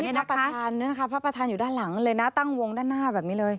นี่นับประธานด้วยนะคะพระประธานอยู่ด้านหลังเลยนะตั้งวงด้านหน้าแบบนี้เลย